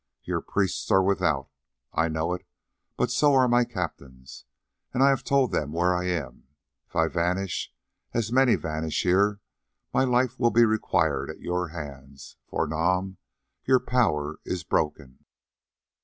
Your priests are without, I know it, but so are my captains, and I have told them where I am; if I vanish as many vanish here, my life will be required at your hands, for, Nam, your power is broken.